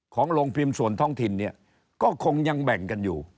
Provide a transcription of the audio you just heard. โรงพิมพ์ส่วนท้องถิ่นเนี่ยก็คงยังแบ่งกันอยู่